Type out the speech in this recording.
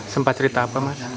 sempat cerita apa mas